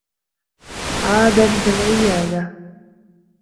عادة من العيادة.